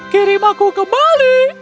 kirim aku kembali